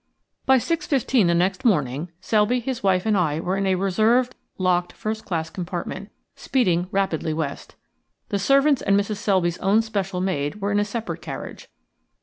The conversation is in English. By 6.15 the next morning Selby, his wife, and I were in a reserved, locked, first class compartment, speeding rapidly west. The servants and Mrs. Selby's own special maid were in a separate carriage.